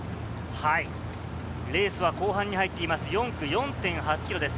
レースは後半に入っています、４区４．８ｋｍです。